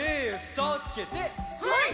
はい！